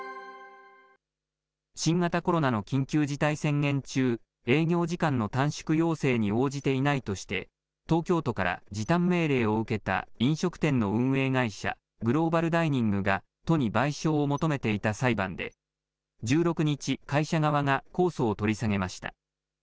新型コロナの緊急事態宣言中、営業時間の短縮要請に応じていないとして、東京都から時短命令を受けた飲食店の運営会社、グローバルダイニングが、都に賠償を求めていた裁判で、１６日、会社側が控訴を取り下げました。